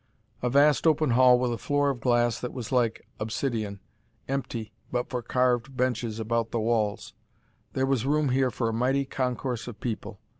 A vast open hall with a floor of glass that was like obsidion, empty but for carved benches about the walls; there was room here for a mighty concourse of people.